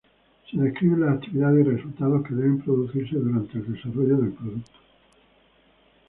Se describen las actividades y resultados que deben producirse durante el desarrollo del producto.